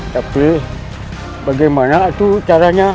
tapi bagaimana itu caranya